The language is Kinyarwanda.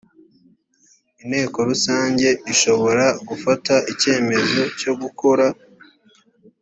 inteko rusange ishobora gufata icyemezo cyo gukora